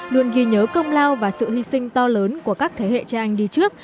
luôn ghi nhớ công lao và sự hy sinh to lớn của các thế hệ cha anh đi trước